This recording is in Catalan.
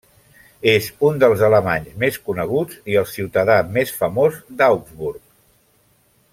És un dels alemanys més coneguts i el ciutadà més famós d'Augsburg.